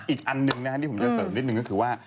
อีกอันหนึ่งนะครับที่ผมจะเสริมนิดนึงก็คือว่า